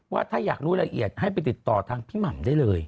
ว่าถ้าอยากรู้รายละเอียดให้ไปติดต่อทางพี่หม่ำได้เลย